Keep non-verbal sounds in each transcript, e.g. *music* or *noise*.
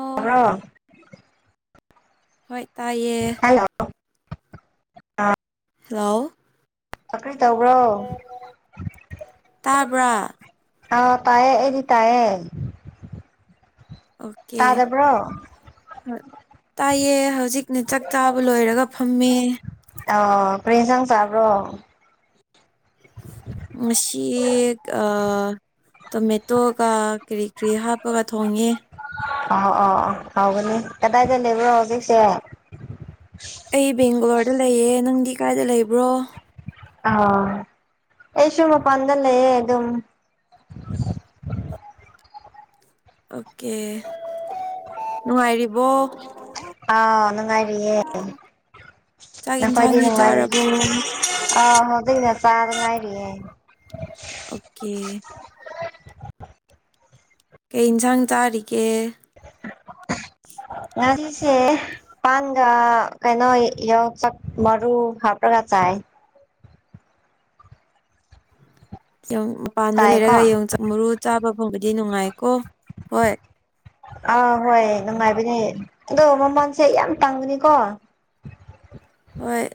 ꯑꯣ ꯍꯣ ꯍꯣꯏ ꯇꯥꯏꯌꯦ ꯑ ꯍꯜꯂꯣ ꯅꯪ ꯇꯧꯕ꯭ꯔꯣ ꯇꯥꯕ꯭ꯔꯥ ꯑꯥ ꯇꯌꯦ ꯑꯩꯗꯤ ꯇꯌꯦ ꯑꯣꯀꯦ ꯇꯥꯔ꯭ꯕ꯭ꯔꯣ ꯇꯥꯏꯌꯦ ꯍꯧꯖꯤꯛꯅ ꯆꯥꯛ ꯆꯥꯕ ꯂꯣꯏꯔꯒ ꯐꯝꯃꯦ ꯑꯣ ꯀꯔꯤ ꯑꯦꯟꯁꯥꯡ ꯁꯥꯕ꯭ꯔꯣ ꯃꯁꯤ ꯇꯣꯃꯦꯇꯣꯒ ꯀꯔꯤ ꯀꯔꯤ ꯍꯥꯞꯄꯒ ꯊꯣꯡꯉꯦ ꯑ ꯑ ꯑ ꯍꯥꯎꯕꯅꯦ ꯀꯗꯥꯏꯗ ꯂꯩꯕ꯭ꯔꯣ ꯍꯧꯖꯤꯛꯁꯦ ꯑꯩ ꯕꯦꯡꯒꯂꯣꯔꯗ ꯂꯩꯌꯦ ꯅꯪꯗꯤ ꯀꯥꯏꯗ ꯂꯩꯕ꯭ꯔꯣ ꯑ ꯑꯩꯁꯨ ꯃꯄꯥꯟ ꯗ ꯂꯩꯌꯦ ꯑꯗꯨꯝ ꯑꯣꯀꯦ ꯅꯨꯡꯉꯥꯏꯔꯤꯕꯣ ꯑꯥ ꯅꯨꯡꯉꯥꯏꯔꯤꯌꯦ ꯆꯥꯛ ꯅ ꯌꯦꯟꯁꯥꯡꯗꯤ ꯐꯗꯤꯅꯅꯨꯡꯉꯥꯏ ꯆꯥꯔꯕꯣ ꯑ ꯃꯗꯅ ꯆꯥꯅꯨꯡ ꯉꯥꯏꯔꯤ ꯑ ꯑꯣꯀꯦ ꯀꯩ ꯏꯟꯁꯥꯡ ꯆꯥꯔꯤꯒꯦ ꯉꯁꯤꯁꯦ ꯄꯥꯟꯒ ꯀꯩꯅꯣ ꯌꯣꯡꯆꯥꯛ ꯃꯔꯨ ꯍꯥꯞꯄ꯭ꯔꯒ ꯆꯥꯏ ꯃꯄꯥꯟꯗ ꯇꯥꯏꯀꯣ ꯂꯩꯔꯒ ꯌꯣꯡꯆꯥꯛ ꯃꯔꯨ ꯆꯥꯕ ꯐꯪꯕꯗꯤ ꯅꯨꯡꯉꯥꯏꯀꯣ ꯍꯣꯏ ꯑꯥ ꯍꯣꯏ ꯅꯨꯡꯉꯥꯏꯕꯅꯦ ꯑꯗꯣ ꯃꯃꯜꯁꯦ ꯌꯥꯝ ꯇꯥꯡꯕꯅꯤꯀꯣ ꯖ ꯍꯣꯏ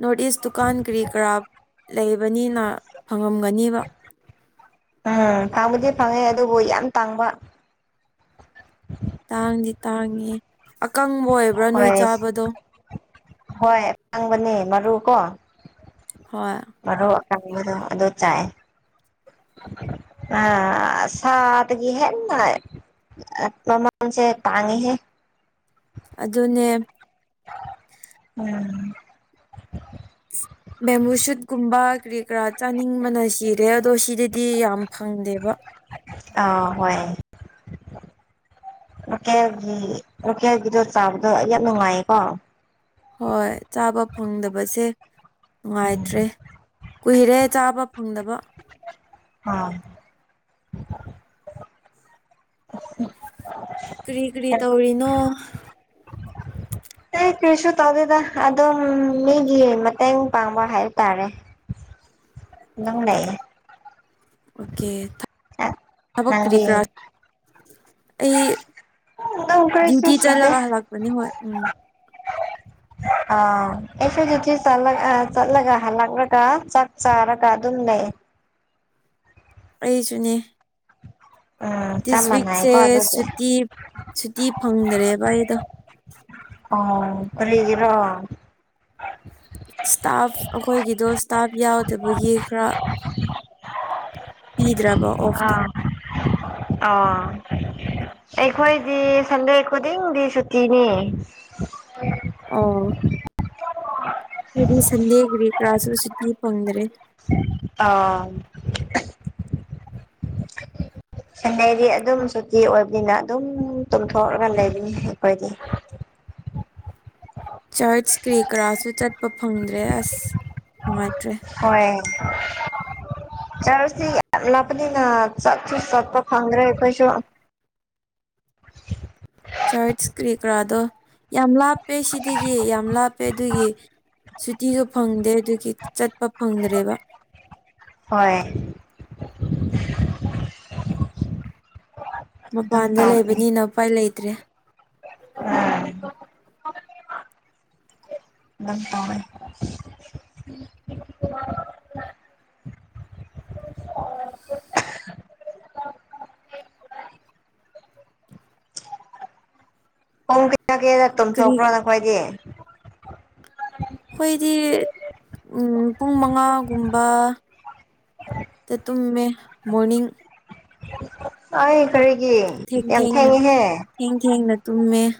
ꯅꯣꯔꯠ ꯏꯁ ꯗꯨꯀꯥꯟ ꯀꯔꯤ ꯀꯔꯥ ꯂꯩꯕꯅꯤꯅ ꯐꯪꯉꯝꯒꯅꯦꯕ ꯎꯝ ꯐꯪꯕꯨꯗꯤ ꯐꯪꯉꯦ ꯑꯗꯨꯕꯨ ꯌꯥꯝ ꯇꯥꯡꯕ ꯇꯥꯡꯗꯤ ꯇꯥꯡꯉꯦ ꯑꯀꯪꯕ ꯑꯣꯏꯕ꯭ꯔꯥ ꯅꯣꯏ ꯍꯣꯏ ꯆꯥꯕꯗꯣ ꯍꯣꯏ ꯑꯀꯪꯕꯅꯦ ꯃꯔꯨ ꯀꯣ ꯍꯣꯏ ꯆꯣ ꯑꯗꯨꯗꯣ ꯆꯌꯦ *unintelligible* ꯑ ꯁꯥꯠꯒꯤ ꯑꯦꯃꯩ ꯃꯃꯥꯜ ꯁꯦ ꯇꯥꯡꯢꯍꯦ ꯑꯗꯨꯅꯦ ꯎꯝ ꯕꯦꯃꯨ ꯁꯨꯠꯀꯨꯝꯕ ꯀꯔꯤ ꯀꯔꯥ ꯆꯥꯅꯤꯡꯕꯅ ꯁꯤꯠ ꯑꯥ ꯑꯗꯣ ꯁꯤꯗꯗꯤ ꯌꯥꯝ ꯐꯪꯗꯦꯕ ꯑꯥ ꯍꯣꯏ *inaudible* *inaudible* ꯂꯣꯀꯦꯜꯒꯤ ꯂꯣꯀꯦꯜꯒꯤꯗꯣ ꯆꯥꯕꯗꯣ ꯑꯩ ꯌꯥꯝ ꯅꯨꯡꯉꯥꯏꯌꯦꯀꯣ ꯍꯣꯏ ꯆꯥꯕ ꯐꯪꯗꯕꯁꯦ ꯎꯝ ꯅꯨꯡꯉꯥꯏꯇ꯭ꯔꯦ ꯀꯨꯏꯔꯦ ꯆꯥꯕ ꯐꯪꯗꯕ ꯑꯥ *unintelligible* ꯀꯔꯤ ꯀꯔꯤ ꯇꯧꯔꯤꯅꯣ? ꯑꯩ ꯀꯩꯁꯨ ꯇꯧꯗꯦꯗ ꯑꯗꯨꯝ ꯃꯤꯒꯤ ꯃꯇꯦꯡ ꯄꯥꯡꯕ ꯍꯥꯏꯇꯥꯔꯦ *inaudible* *inaudible* ꯅꯪꯅꯦꯌꯦ ꯑꯣꯀꯦ ꯊꯕꯛ ꯀ꯭ꯔꯤ ꯅꯪꯗꯤ ꯀꯔꯥ ꯑꯩ ꯑꯗꯨꯝ ꯀꯔꯤꯁꯨ ꯗ꯭ꯌꯨꯇꯤ ꯁꯨꯗꯦ ꯆꯠꯂꯒ ꯍꯜꯂꯛꯄꯅꯦ ꯍꯣꯏ ꯎꯝ ꯑꯥ ꯑꯩꯈꯣꯏ ꯑꯗꯨꯗꯤ ꯆꯠꯂꯒ ꯍꯜꯂꯛꯂꯒ ꯆꯥꯛ ꯆꯥꯔꯒ ꯑꯗꯨꯝ ꯂꯩ ꯎ *unintelligible* ꯑꯩꯁꯨꯅꯦ ꯎꯝ ꯆꯞ ꯗꯤꯁꯋꯤꯛꯁꯦ ꯃꯥꯟꯅꯩꯀꯣ ꯑꯗꯨꯗꯤ ꯁꯨꯇꯤ ꯁꯨꯇꯤ ꯐꯪꯗ꯭ꯔꯦꯕ ꯑꯩꯗ ꯑꯣ ꯀꯔꯤꯒꯤꯔꯣ ꯏꯁꯇꯥꯐ ꯑꯩꯈꯣꯏꯒꯤꯗꯣ ꯏꯁꯇꯥꯐ ꯌꯥꯎꯗꯕꯒꯤ ꯈꯔ ꯄꯤꯗ꯭ꯔꯥ ꯑꯥ ꯑꯥ ꯑꯩꯈꯣꯏꯗꯤ ꯁꯟꯗꯦ ꯈꯣꯗꯤꯡꯗꯤ ꯁꯨꯇꯤꯅꯤ ꯑꯣ ꯑꯩꯈꯣꯏꯗꯤ ꯁꯟꯗꯦꯒꯤꯔꯤ ꯀꯔꯥꯁꯨ ꯁꯨꯇꯤ ꯐꯪꯗ꯭ꯔꯦ ꯑꯥ ꯁꯟꯗꯥꯌꯗꯤ ꯑꯗꯨꯝ ꯁꯨꯇꯤ ꯑꯣꯏꯕꯅꯤꯅ ꯑꯗꯨꯝ ꯇꯨꯝꯊꯣꯛꯑꯒ ꯂꯩꯕꯅꯤ ꯑꯩꯈꯣꯏꯗꯤ *inaudible* *inaudible* ꯆꯔꯆ ꯀꯔꯤ ꯀꯔꯥꯁꯨ ꯆꯠꯄ ꯐꯪꯗ꯭ꯔꯦ ꯑꯁ ꯅꯨꯡꯉꯥꯏ ꯍꯣꯏ ꯆꯔꯁꯤ ꯌꯥꯝ ꯂꯥꯞꯅꯤꯅꯥ ꯁꯠꯄ ꯐꯪꯒ꯭ꯔꯦ ꯑꯩꯈꯣꯏꯁꯨ *inaudible* *inaudible* ꯆꯔꯠꯁ ꯀꯔꯤ ꯀꯔꯥꯗꯣ ꯌꯥꯝ ꯂꯥꯞꯄꯦ ꯁꯤꯗꯒꯤ ꯌꯥꯝ ꯂꯥꯞꯄꯦ ꯑꯗꯨꯒꯤ ꯁꯨꯇꯤꯁꯨ ꯐꯪꯗꯦ ꯑꯗꯨꯗꯤ ꯆꯠꯄ ꯐꯪꯗ꯭ꯔꯦꯕ ꯍꯣꯏ ꯑꯗꯨꯝ ꯃꯄꯥꯟꯗ ꯇꯧꯕꯅꯤ ꯂꯩꯕꯅꯤꯅ ꯎꯄꯥꯏ ꯂꯩꯇ꯭ꯔꯦ ꯝ ꯇꯦ *unintelligible* *inaudible* *inaudible* *inaudible* *inaudible* ꯄꯣꯡ ꯀꯌꯥ ꯀꯌꯥꯗ ꯀꯔꯤ ꯇꯨꯝꯊꯣꯛꯄ꯭ꯔꯣ ꯅꯈꯣꯏꯗꯤ ꯑꯩꯈꯣꯏꯗꯤ ꯄꯨꯡ ꯃꯉꯥꯒꯨꯝꯕ ꯇꯨꯝꯃ ꯃꯣꯔꯅꯤꯡꯅꯤꯡ ꯑꯩ ꯀꯔꯤꯒꯤ ꯊꯦꯡ ꯌꯥꯝ ꯊꯦꯡꯅ ꯊꯦꯡꯉꯍꯦ ꯊꯦꯡ ꯊꯦꯡꯅ ꯇꯨꯝꯃꯦ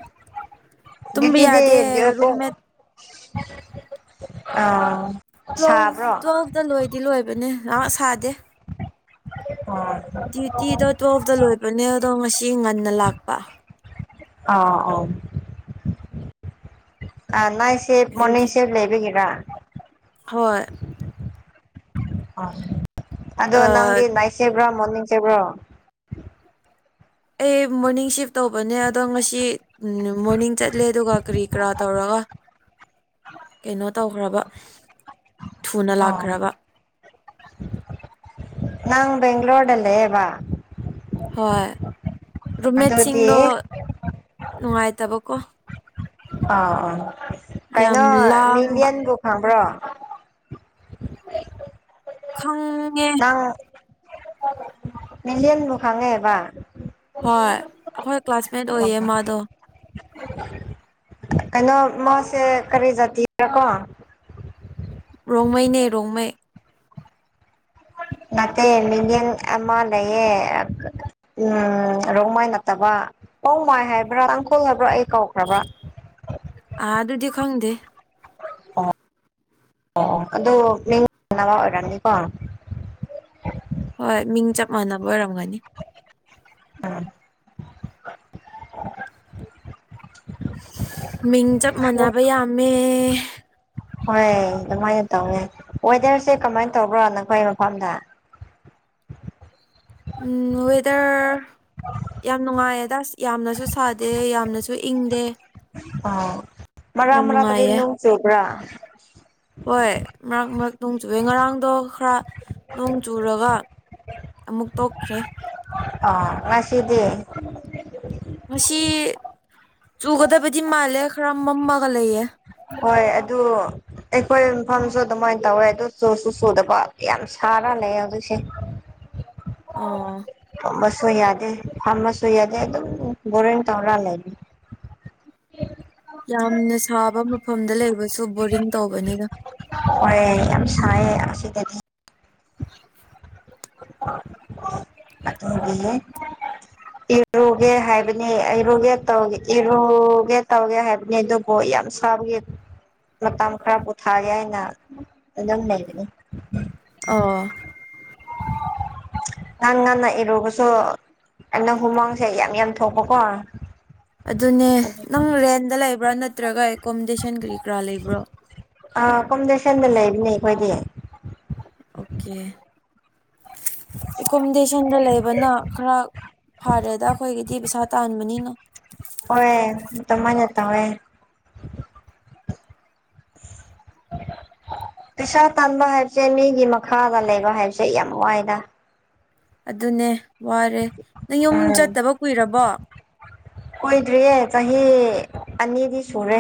ꯇꯨꯝꯕ ꯌꯥꯗꯦ ꯗꯤꯤꯗꯤ ꯔꯨꯝꯃꯦꯠ ꯑ ꯇ꯭ꯋꯦꯜ ꯇꯨꯋꯦꯜꯐꯇ ꯂꯣꯏꯗꯤ ꯂꯣꯏꯕꯅꯦ ꯌꯥꯝ ꯁꯥꯗꯦ ꯑꯣ ꯗ꯭ꯌꯨꯇꯤꯗꯣ ꯇꯨꯋꯦꯜꯐꯇ ꯂꯣꯏꯕꯅꯦ ꯑꯗꯣ ꯉꯁꯤ ꯉꯟꯅ ꯂꯥꯛꯄ ꯑꯥ ꯑꯥ ꯑ ꯅꯥꯏ ꯁꯤꯞ ꯃꯣꯔꯅꯤꯡ ꯑꯗꯨꯒꯤ ꯁꯤꯞ ꯂꯩꯕꯤꯒꯤꯦꯔ ꯍꯣꯏ ꯑ ꯑꯗꯣ ꯅꯪꯗꯤ ꯑꯩ ꯅꯥꯏꯠ ꯁꯕ꯭ꯔꯣ ꯃꯣꯔꯅꯤꯡ ꯆꯕ꯭ꯔꯣ ꯑꯩ ꯃꯣꯔꯅꯤꯡ ꯁꯤꯐ ꯇꯧꯕꯅꯦ ꯑꯗꯣ ꯉꯁꯤ ꯃꯣꯔꯅꯤꯡ ꯆꯠꯂꯦ ꯑꯗꯨꯒ ꯀꯔꯤ ꯀꯔꯥ ꯇꯧꯔꯒ ꯀꯩꯅꯣ ꯇꯧꯈ꯭ꯔꯕ ꯊꯨꯅ ꯂꯥꯛꯈ꯭ꯔꯕ ꯅꯪ ꯦꯡ꯭ꯂꯣꯣꯔꯗ ꯂꯩꯦ ꯋꯥ ꯍꯣꯏ ꯔꯨꯝꯃꯦꯠꯁꯤꯡꯗꯣ ꯑꯗꯨꯗꯤ ꯅꯨꯡꯉꯥꯏꯇꯕꯀꯣ ꯑꯥ ꯑꯥ ꯌꯥꯝ ꯀꯩꯅꯣ ꯂꯥꯡꯕ ꯅꯟꯗꯤꯌꯥꯟꯕꯨ ꯈꯪꯕ꯭ꯔꯣ ꯈꯥꯎ ꯑ ꯃꯤꯗꯤꯅꯕꯨ ꯈꯥꯡꯒꯦꯕ ꯍꯣꯏ ꯑꯩꯈꯣꯏ ꯀ꯭ꯂꯥꯁꯃꯦꯠ ꯑꯣ ꯑꯣꯏꯌꯦ ꯃꯥꯗꯣ ꯀꯩꯅꯣ ꯃꯥꯁꯦ ꯀꯔꯤ ꯖꯥꯇꯔꯥꯀꯣ ꯔꯣꯡꯃꯩꯅꯦ ꯔꯣꯡꯃꯩ ꯅꯠꯇꯦ ꯃꯤꯌꯟ ꯑꯃ ꯂꯩꯌꯦ ꯎꯝ ꯔꯣꯡꯃꯥꯏ ꯅꯠꯇꯕ ꯔꯣꯡꯃꯥꯏ ꯍꯥꯏꯕ꯭ꯔꯥ ꯇꯥꯡꯈꯣꯜ ꯍꯥꯏꯕ꯭ꯔꯥ ꯑꯩ ꯀꯧꯈ꯭ꯔꯕ꯭ꯔꯥ ꯑ ꯑꯗꯨꯗꯤ ꯈꯪꯗꯦ ꯑꯣ ꯑꯣ ꯑꯗꯨ ꯃꯤꯡꯅꯕ ꯑꯣꯏꯔꯝꯅꯤꯀꯣ ꯍꯣꯏ ꯃꯤꯡ ꯆꯞ ꯃꯥꯟꯅꯕ ꯑꯣꯏꯔꯝꯒꯅꯤ ꯎꯝ ꯃꯤꯡ ꯆꯞ ꯃꯅꯥꯕ ꯑꯃꯦ ꯍꯣꯏ ꯑꯗꯨꯃꯥꯏꯅ ꯇꯧꯋ ꯋꯦꯗꯔꯁꯦ ꯀꯃꯥꯏꯅ ꯇꯧꯕ꯭ꯔꯣ ꯅꯈꯣꯏ ꯃꯐꯝꯗ ꯎꯝ ꯋꯦꯗꯔ ꯌꯥꯝ ꯅꯨꯡꯉꯥꯏꯌꯦ ꯁ ꯌꯥꯝꯅꯁꯨ ꯁꯥꯗꯦ ꯌꯥꯝꯅꯁꯨ ꯏꯪꯗꯦ ꯑ ꯃꯔ ꯌꯥꯝ ꯃꯔꯥ ꯇ ꯅꯨꯡꯉꯥꯏꯌꯦ ꯂꯣꯡ ꯆꯕ꯭ꯔꯥ ꯍꯣꯏ ꯃꯔꯛ ꯃꯔꯛ ꯅꯣꯡ ꯆꯨꯨꯔꯦ ꯉꯔꯥꯡꯗꯣ ꯈꯔ ꯅꯣꯡ ꯆꯨꯔꯒ ꯑꯃꯨꯛ ꯇꯣꯛꯈ꯭ꯔꯦ ꯑ ꯉꯁꯤꯗꯤ ꯉꯁꯤ ꯆꯨꯒꯗꯕꯗꯤ ꯃꯥꯜꯂꯦ ꯈꯔ ꯃꯝꯃꯒ ꯂꯩꯌꯦ ꯍꯣꯏ ꯑꯗꯨ ꯑꯩꯈꯣꯏ ꯃꯐꯝꯁꯨ ꯑꯗꯨꯃꯥꯏꯅ ꯇꯧꯋꯦ ꯑꯗꯨ ꯆꯨꯁꯨ ꯆꯨꯗꯕ ꯌꯥꯝ ꯁꯔꯥ ꯂꯩ ꯌꯥ ꯑꯗꯨꯁ ꯑꯥ ꯐꯝꯕꯁꯨ ꯌꯥꯗꯦ ꯐꯝꯝꯕꯁꯨ ꯌꯥꯗꯦ ꯑꯗꯨꯝ ꯕꯣꯔꯤꯡ ꯇꯧꯔ ꯂꯩꯅꯤ ꯌꯥꯝꯅ ꯁꯥꯕ ꯃꯐꯝꯗ ꯂꯩꯕꯁꯨ ꯕꯣꯔꯤꯡ ꯇꯧꯕꯅꯤꯅ ꯍꯔꯦ ꯌꯥꯝ ꯁꯥꯏ ꯑꯁꯤ ꯑꯁꯤꯗꯗꯤ *inaudible* *unintelligible* ꯦ ꯏꯔꯨꯒꯦ ꯍꯥꯏꯕꯅꯤ ꯏꯔꯨꯒꯦ ꯇꯧ ꯏꯔꯨꯒꯦ ꯇꯧꯒꯦ ꯍꯥꯏꯕꯅꯤ ꯑꯗꯨꯕꯨ ꯌꯥꯝ ꯁꯥꯕꯒꯦ *inaudible* *unintelligible* ꯃꯇꯝ ꯈꯔ ꯄꯣꯊꯥꯒꯦ ꯍꯥꯏꯅ ꯑꯗꯨꯝ ꯂꯩꯒꯅꯤ ꯑ ꯉꯪ ꯉꯟꯅ ꯏꯔꯕꯁꯨ ꯑꯩꯅ ꯍꯨꯃꯥꯡꯁꯦ ꯌꯥꯝ ꯌꯥꯝ ꯊꯣꯛꯄꯀꯣ ꯑꯗꯨꯅꯦ ꯅꯪ ꯔꯦꯟꯗ ꯂꯩꯕ꯭ꯔꯥ ꯅꯠꯇ꯭ꯔꯒ ꯑꯦꯀꯣꯃꯣꯗꯦꯁꯟ ꯀꯔꯤ ꯀꯔꯥ ꯂꯩꯕ꯭ꯔꯣ ꯑ ꯀꯣꯝꯗꯁꯟꯗ ꯂꯩꯕꯅꯦ ꯑꯩꯈꯣꯏꯗꯤ ꯑꯣꯀꯦ ꯑꯦꯀꯣꯃꯣꯗꯦꯁꯟꯗ ꯂꯩꯕꯅ ꯈꯔ ꯐꯔꯦꯗ ꯑꯩꯈꯣꯏꯒꯤꯗꯤ ꯄꯩꯁꯥ ꯇꯥꯟꯕꯅꯤꯅꯣ ꯍ ꯇ ꯃꯅꯇꯥꯋꯦ *unintelligible* ꯄꯩꯁꯥ ꯇꯥꯟꯕ ꯍꯥꯏꯕꯁꯦ ꯃꯤꯒꯤ ꯃꯈꯥꯗ ꯂꯩꯕ ꯍꯥꯏꯕꯁꯦ ꯌꯥꯝ ꯋꯥꯏꯅ ꯑꯗꯨꯅꯦ ꯋꯥꯔꯦ ꯅꯪ ꯌꯨꯝ ꯆꯠꯇꯕ ꯀꯨꯏꯔꯕꯣ? ꯀꯣꯏꯗ꯭ꯔꯤꯌꯦ ꯆꯍꯤ ꯑꯅꯤꯗꯤ ꯁꯨꯔꯦ꯫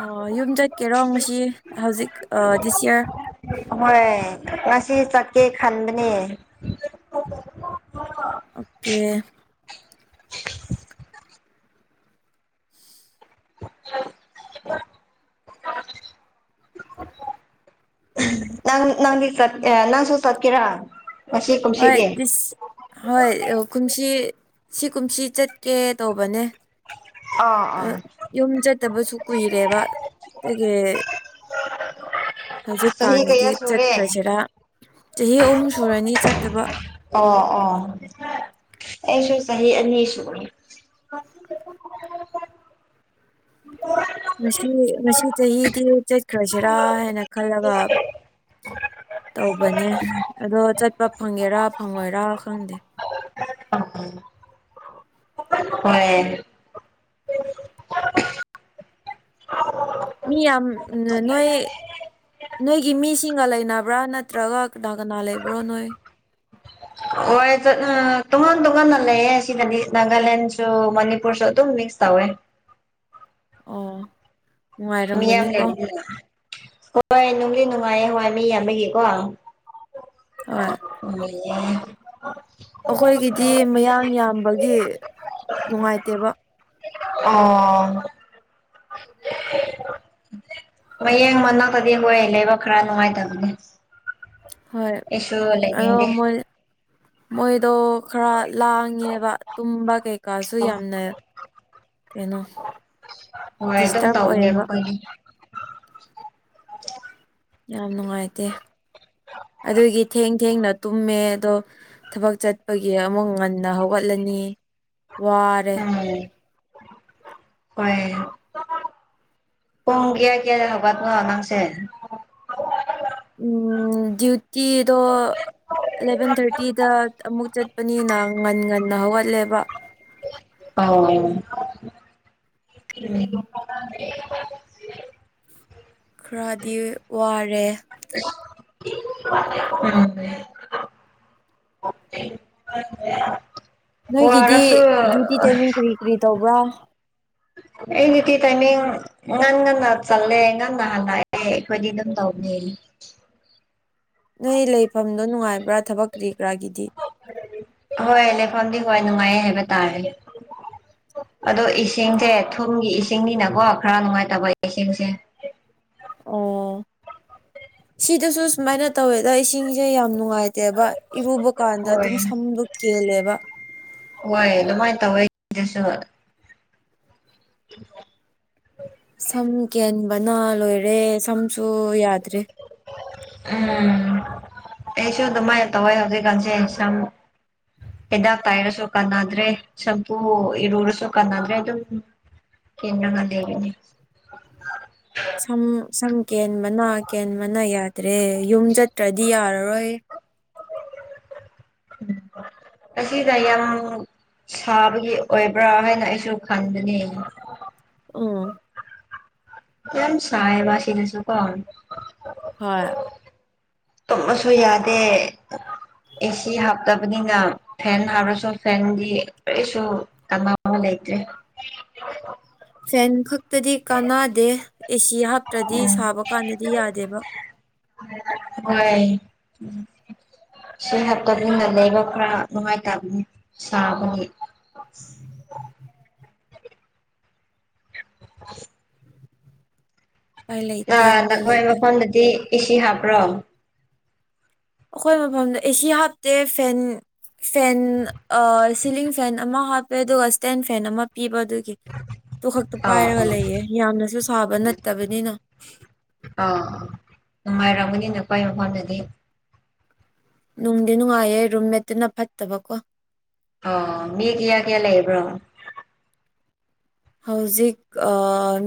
ꯑꯣ ꯌꯨꯝ ꯆꯠꯀꯦꯔꯣ ꯉꯁꯤ ꯍꯧꯖꯤꯛ ꯑ ꯗꯤꯁ ꯌꯔ꯫ ꯍꯣꯏ ꯉꯁꯤ ꯆꯠꯀꯦ ꯈꯟꯕꯅꯦ꯫ *unintelligible* ꯑꯣꯀꯦ꯫ *unintelligible* ꯑꯍ ꯅꯪ ꯅꯪꯗꯤ ꯆꯠ ꯑꯦ ꯅꯪꯁꯨ ꯆꯠꯀꯦꯔꯥ? ꯉꯁꯤ ꯍꯣꯏ ꯀꯨꯝꯁꯤꯗꯤ ꯗꯤꯁ ꯍꯣꯏ ꯑ ꯀꯨꯃꯁꯤ ꯁꯤ ꯀꯨꯝꯁꯤ ꯆꯠꯀꯦ ꯇꯧꯕꯅꯦ꯫ ꯑꯥ ꯑ ꯑꯥ ꯌꯨꯝ ꯆꯠꯇꯕꯁꯨ ꯀꯨꯏꯔꯦꯕ ꯗꯒꯤ ꯆꯍꯤ ꯍꯧꯖꯤꯛꯀꯥꯟꯒꯤꯗꯤ ꯀꯌꯥ ꯁꯨꯔꯦ ꯆꯠꯈ꯭ꯔꯁꯤꯔ ꯆꯍꯤ ꯑꯍꯨꯝ ꯁꯨꯔꯅꯤ ꯆꯠꯇꯕ꯫ ꯑꯣ ꯑꯣ *unintelligible* ꯑꯩꯁꯨ ꯆꯍꯤ ꯑꯅꯤ ꯁꯨꯔ *unintelligible* ꯉꯁꯤ ꯉꯁꯤ ꯆꯍꯤꯗꯤ ꯆꯠꯈ꯭ꯔꯁꯤꯔꯥ ꯍꯥꯏꯅ ꯈꯜꯂꯒ ꯇꯧꯕꯅꯦ ꯑꯗꯣ ꯆꯠꯄ ꯐꯪꯒꯦꯔꯥ ꯐꯪꯉꯣꯏꯔꯥ ꯈꯪꯗꯦ꯫ ꯍꯣꯏ ꯃꯤ ꯌꯥꯝ ꯅꯣꯏ ꯅꯣꯏꯒꯤ ꯃꯤꯁꯤꯡꯒ ꯂꯩꯅꯕ꯭ꯔꯥ ꯅꯠꯇ꯭ꯔꯒ ꯀꯅꯥ ꯀꯅꯥ ꯂꯩꯕ꯭ꯔꯣ ꯅꯣꯏ? ꯍꯣꯏ ꯇꯣꯉꯥꯟ ꯇꯣꯉꯥꯟꯅ ꯂꯩꯌꯦ ꯑꯁꯤꯗꯗꯤ ꯅꯥꯒꯥꯂꯦꯟꯁꯨ ꯃꯅꯤꯄꯨꯔꯁꯨ ꯑꯗꯨꯝ ꯃꯤꯛꯁ ꯇꯧꯋꯦ꯫ ꯑꯣ ꯃꯤꯌꯥꯝ ꯅꯨꯡꯉꯥꯏꯔꯝꯒꯅꯤꯀꯣ ꯂꯩ꯫ ꯍꯣꯏ ꯅꯨꯡꯗꯤ ꯅꯨꯡꯉꯥꯏꯌꯦ ꯍꯋꯥꯏ ꯃꯤ ꯌꯝꯕꯒꯤꯀꯣ ꯍꯣꯏ ꯎ *unintelligible* ꯑꯩꯈꯣꯏꯒꯤꯗꯤ ꯃꯌꯥꯡ ꯌꯥꯝꯕꯒꯤ ꯅꯨꯡꯉꯥꯏꯇꯦꯕ꯫ *unintelligible* *inaudible* ꯃꯌꯦꯡ ꯃꯅꯥꯛꯇꯗꯤ ꯍꯣꯏ ꯂꯩꯕ ꯈꯔ ꯅꯨꯡꯉꯥꯏꯇꯕꯅꯦ꯫ ꯍꯣꯏ ꯑꯩꯁꯨ ꯑꯗꯣ ꯂꯩꯅꯤꯡꯗꯦ ꯃꯣꯏ ꯃꯣꯏꯗꯣ ꯈꯔ ꯂꯥꯡꯉꯦꯕ ꯇꯨꯝꯕ ꯀꯩꯀꯥꯁꯨ ꯌꯥꯝꯅ ꯀꯩꯅꯣ ꯍꯣꯏ ꯑꯗꯨꯝ ꯗꯤꯁꯇꯔꯕ ꯇꯧꯕꯅꯤ ꯑꯣꯏꯌꯦꯕ ꯃꯈꯣꯏꯒꯤ꯫ *unintelligible* ꯌꯥꯝ ꯅꯨꯡꯉꯥꯏꯇꯦ꯫ ꯑꯗꯨꯒꯤ ꯊꯦꯡ ꯊꯦꯡꯅ ꯇꯨꯝꯃꯦ ꯑꯗꯣ ꯊꯕꯛ ꯆꯠꯄꯒꯤ ꯑꯃꯨꯛ ꯉꯟꯅ ꯍꯧꯒꯠꯂꯅꯤ꯫ ꯋꯥꯔꯦ *unintelligible* ꯄꯨꯡ ꯀꯌꯥ ꯀꯌꯥ ꯍꯧꯒꯠꯅꯣ ꯅꯪꯁꯦ ꯎꯝ *unintelligible* ꯇꯤꯗꯣ ꯑꯦꯂꯚꯦꯟ ꯊꯥꯔꯇꯤꯗ ꯑꯃꯨꯛ ꯆꯠꯄꯅꯤꯅꯪ ꯉꯟ ꯉꯟꯅ ꯍꯧꯒꯠꯂꯦꯕ꯫ ꯑꯧ *unintelligible* ꯈꯔꯗꯤ ꯋꯥꯔꯦ꯫ *unintelligible* ꯎꯝ ꯅꯣꯏꯒꯤꯗꯤ ꯋꯥꯔꯁꯨ ꯗ꯭ꯌꯨꯇꯤ ꯇꯥꯏꯃꯤꯡ ꯀꯔꯤ ꯀꯔꯤ ꯇꯧꯕ꯭ꯔꯥ? ꯑꯩ ꯒꯤꯇꯤ ꯇꯥꯏꯃꯤꯡ ꯉꯟ ꯉꯟꯅ ꯆꯠꯂꯦ ꯉꯟꯅ ꯍꯜꯂꯛꯑꯦ ꯑꯩꯈꯣꯏꯗꯤ ꯑꯗꯨꯝ ꯇꯧꯕꯅꯦ꯫ *unintelligible* ꯅꯣꯏ ꯂꯩꯐꯝꯗꯣ ꯅꯨꯡꯉꯥꯏꯕ꯭ꯔꯥ ꯊꯕꯛ ꯀ꯭ꯔꯤ ꯀ꯭ꯔꯥꯒꯤꯗꯤ? ꯍꯣꯏ ꯂꯩꯐꯝꯗꯤ ꯍꯣꯏ ꯅꯨꯡꯉꯥꯏ ꯍꯥꯏꯕ ꯇꯥꯔꯦ꯫ ꯑꯗꯣ ꯏꯁꯤꯡꯁꯦ ꯊꯨꯝꯒꯤ ꯏꯁꯤꯡꯅꯤꯅꯀꯣ ꯈꯔ ꯅꯨꯡꯉꯥꯏꯇꯕ ꯏꯁꯤꯡꯁꯦ꯫ ꯑꯣ ꯁꯤꯗꯁꯨ ꯁꯨꯃꯥꯏꯅ ꯇꯧꯋꯦꯗ ꯏꯁꯤꯡꯁꯦ ꯌꯥꯝ ꯅꯨꯡꯉꯥꯏ ꯅꯨꯡꯉꯥꯏꯇꯦꯕ ꯏꯔꯨꯕ ꯀꯥꯟꯗ ꯍꯣꯏ ꯑꯗꯨꯝ ꯁꯝꯗꯣ ꯀꯦꯜꯂꯦꯕ ꯍꯣꯏ ꯑꯗꯨꯃꯥꯏꯅ ꯇꯧꯋꯦ ꯁꯤꯁꯨ *inaudible* *inaudible* ꯁꯝ ꯀꯦꯟꯕꯅ ꯂꯣꯏꯔꯦ ꯁꯝꯁꯨ ꯌꯥꯗ꯭ꯔꯦ ꯄꯩꯁꯨ ꯑꯗꯨꯃꯥꯏ ꯇꯧꯏ ꯍꯧꯖꯤꯛꯀꯁꯦ ꯁꯝ ꯍꯤꯗꯥꯛ ꯄꯥꯏꯔꯁꯨ ꯀꯥꯟꯅꯗ꯭ꯔꯦ ꯁꯝꯄꯨ ꯏꯔꯨꯔꯁꯨ ꯀꯥꯟꯅꯗ꯭ꯔꯦ ꯑꯗꯨꯝ ꯆꯟꯅꯉꯗꯦꯕꯤꯅꯤ *inaudible* ꯁꯝ ꯁꯝ ꯀꯦꯟꯕꯅ ꯀꯦꯟꯕꯅ ꯌꯥꯗ꯭ꯔꯦ ꯌꯨꯝ ꯆꯠꯇ꯭ꯔꯗꯤ ꯌꯥꯔꯔꯣꯏ ꯍ *inaudible* ꯑꯁꯤꯁꯏ ꯌꯥꯝ ꯁꯥꯕꯒꯤ ꯑꯣꯏꯕ꯭ꯔꯥ ꯍꯥꯏꯅ ꯑꯩꯁꯨ ꯈꯟꯕꯅꯤ ꯎꯝ ꯌꯥꯝ ꯁꯥꯏꯕ ꯁꯤꯗꯁꯨꯀꯣ ꯍ ꯇꯨꯝꯃꯁꯨ ꯌꯥꯗꯦ ꯑꯦꯁꯤ ꯍꯥꯞꯇꯕꯅꯤꯅ ꯐꯦꯟ ꯍꯥꯞꯔꯁꯨ ꯐꯦꯟꯒꯤ ꯀꯔꯤꯁꯨ ꯀꯅꯥ ꯑꯃ ꯂꯩ ꯦ *unintelligible* ꯐꯦꯟ ꯈꯛꯇꯗꯤ ꯀꯥꯟꯅꯗꯦ ꯑꯦꯁꯤ ꯍꯥꯞꯇ꯭ꯔꯗꯤ ꯁꯥꯕ ꯀꯥꯟꯗꯗꯤ ꯌꯥꯗꯦꯕ ꯍꯣꯢ ꯁꯤ ꯍꯦꯛꯇꯅ ꯂꯩꯕ ꯈꯔ ꯅꯨꯡꯉꯥꯏꯇꯕꯅꯤ ꯁꯥꯕꯅꯤ ꯑꯁ *unintelligible* ꯎꯄꯥꯏ ꯑ ꯂꯩꯇꯦ ꯎꯄꯥꯏ ꯅꯈꯣꯏ ꯂꯩꯇꯦ ꯃꯐꯝꯗꯗꯤ ꯏꯁꯤ ꯍꯥꯞꯄ꯭ꯔꯣ ꯑꯩꯈꯣꯏ ꯃꯐꯝꯗ ꯑꯦꯁꯤ ꯍꯥꯞꯇꯦ ꯐꯦꯟ ꯐꯦꯟ ꯁꯤꯂꯤꯡ ꯐꯦꯟ ꯑꯃ ꯍꯥꯞꯄꯦ ꯑꯗꯨꯒ ꯏꯁꯇꯦꯟ ꯐꯦꯟ ꯑꯃ ꯄꯤꯕ ꯑꯗꯨꯒꯤ ꯇꯣ ꯈꯛꯇꯨ ꯑꯥ ꯄꯥꯏꯔꯒ ꯑꯥ ꯂꯩꯌꯦ ꯌꯥꯝꯅꯁꯨ ꯁꯥꯕ ꯅꯠꯇꯕꯅꯤꯅ ꯑꯥ ꯑ ꯅꯨꯡꯉꯥꯏꯔꯝꯒꯅꯤꯅ ꯑꯩꯈꯣꯏ ꯃꯐꯝꯗꯗꯤ ꯅꯨꯡꯗꯤ ꯅꯨꯡꯉꯥꯏꯌꯦ ꯔꯨꯝꯃꯦꯠꯇꯨꯅ ꯐꯠꯇꯕꯀꯣ ꯑ ꯃꯤ ꯀꯌꯥ ꯀꯌꯥ ꯂꯩꯌꯕ꯭ꯔꯣ ꯍꯧꯖꯤꯛ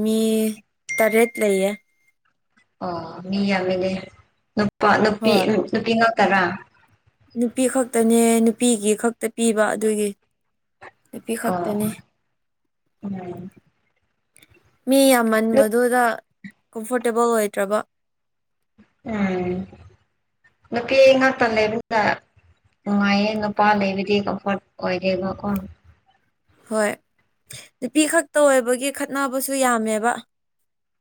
ꯃꯤ ꯇꯔꯦꯠ ꯂꯩꯌꯦ ꯑꯣ ꯃꯤ ꯌꯥꯝꯃꯤꯅꯦ ꯅꯨꯄꯥ ꯅꯨꯄꯤ ꯍꯣꯏ ꯅꯨꯄꯤ ꯉꯥ ꯇꯔꯥ ꯅꯨꯄꯤ ꯈꯛꯇꯅꯦ ꯅꯨꯄꯤꯒꯤ ꯈꯛꯇ ꯄꯤꯕ ꯑꯗꯨꯒꯤ ꯅꯨꯄꯤ ꯑ ꯈꯛꯇꯅꯦ ꯎꯝ ꯃꯤ ꯌꯥꯝꯃꯟꯕꯗꯨꯗ ꯀꯝꯐꯣꯔꯇꯦꯕꯜ ꯑꯣꯏꯗ꯭ꯔꯕ ꯎꯝ ꯅꯨꯄꯤ ꯉꯥꯛꯇ ꯂꯩꯕꯅ ꯅꯨꯡꯉꯥꯏꯌꯦ ꯅꯨꯄꯥ ꯂꯩꯕꯗꯤ ꯀꯝꯐꯣꯔꯠ ꯑꯣꯏꯗꯦꯕꯀꯣ ꯍꯣꯏ ꯅꯨꯄꯤ ꯈꯛꯇ ꯑꯣꯏꯕꯒꯤ ꯈꯠꯅꯕꯁꯨ ꯌꯥꯝꯃꯦꯕ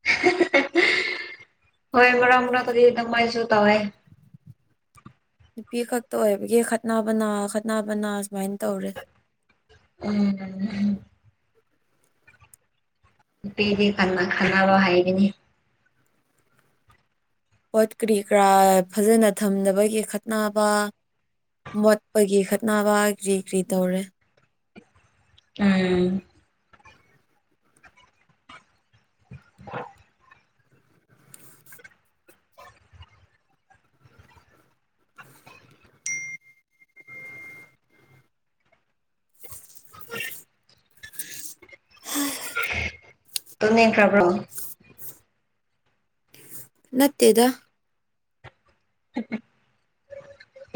*unintelligible* ꯍꯣꯏ ꯃꯔ ꯃꯔ ꯊꯗꯤ ꯑꯗꯨꯃꯥꯏꯁꯨ ꯇꯧꯑ ꯅꯨꯄꯤ ꯈꯛꯇ ꯑꯣꯏꯕꯒꯤ ꯈꯠꯅꯕꯅꯥ ꯈꯠꯅꯕꯅꯥ ꯎꯝ ꯅꯨꯄꯤꯗꯤ ꯀꯟꯅ ꯈꯟꯅꯕ ꯍꯩꯒꯅꯤ ꯄꯣꯠ ꯀꯔꯤ ꯀꯔꯥ ꯐꯖꯅ ꯊꯝꯅꯕꯒꯤ ꯈꯠꯅꯕ ꯃꯣꯠꯄꯒꯤ ꯈꯠꯅꯕ ꯀ꯭ꯔꯤ ꯀ꯭ꯔꯤ ꯇꯧꯔꯦ ꯎꯝ ꯀꯔꯛ *inaudible* *inaudible* ꯇꯅꯤ ꯀ꯭ꯔꯕ꯭ꯔꯣ ꯅꯠꯇꯦꯗ ꯀ *inaudible*